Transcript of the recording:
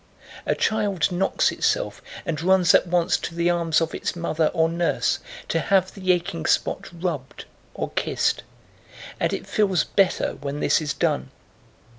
A child knocks itself and runs at once to the arms of its mother or nurse to have the aching spot rubbed or kissed, and it feels better when this is done.